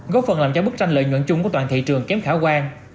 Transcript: góp phần làm cho bức tranh lợi nhuận chung của toàn thị trường kém khả quan